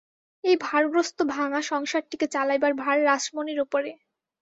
এই ভারগ্রস্ত ভাঙা সংসারটিকে চালাইবার ভার রাসমণির উপরে।